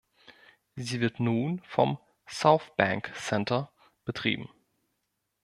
Sie wird nun vom "Southbank Centre" betrieben.